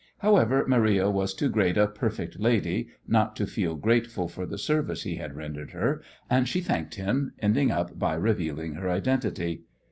However, Maria was too great a "perfect lady" not to feel grateful for the service he had rendered her, and she thanked him, ending up by revealing her identity.